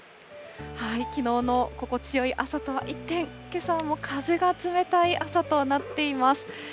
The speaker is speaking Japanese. きのうの心地よい朝とは一転、けさはもう風が冷たい朝となっています。